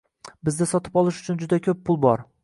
- Bizda sotib olish uchun juda ko'p pul bor